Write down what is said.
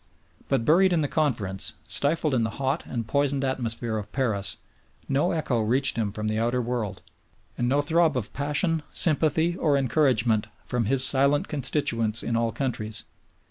But buried in the Conference, stifled in the hot and poisoned atmosphere of Paris, no echo reached him from the outer world, and no throb of passion, sympathy, or encouragement from his silent constituents in all countries.